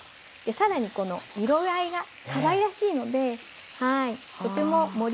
さらにこの色合いがかわいらしいのでとても盛り映えもします。